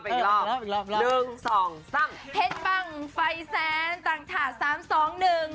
เพลงต่างถาด๓๒๑ไป